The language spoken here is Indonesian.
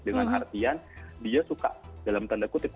dengan artian dia suka dalam tanda kutip